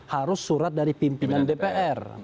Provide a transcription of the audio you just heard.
harus surat dari pimpinan dpr